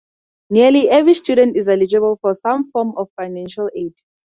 Nearly every student is eligible for some form of financial aid.